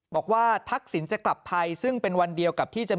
บอกว่าทักษิณจะกลับไทย